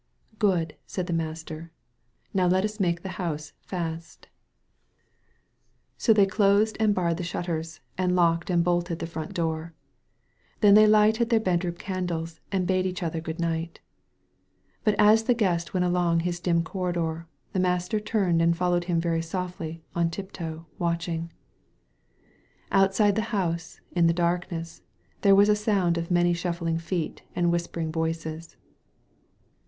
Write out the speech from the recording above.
"Good," said the Master, "now let us make the house fast!" 78 "I will ask you to choose between your old home and your new home now." THE TRAITOR IN THE HOUSE So they closed and barred the shutters and locked and bolted the front door. Then they lighted their bedroom candles and bade each other good night. But as the Guest went along his dim corridor, the Master turned and followed him very softly on tiptoe, watching. Outside the house, in the darkness, there was a sound of many shuffling feet and whispering voices.